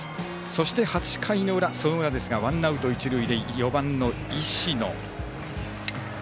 そして、８回の裏ワンアウト、一塁で４番の石野。